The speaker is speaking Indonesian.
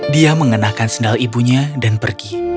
dia mengenakan sendal ibunya dan pergi